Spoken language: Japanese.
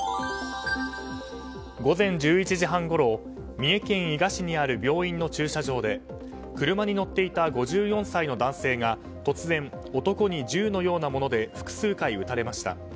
午前１１時半ごろ三重県伊賀市にある病院の駐車場で車に乗っていた５４歳の男性が突然、男に銃のようなもので複数回撃たれました。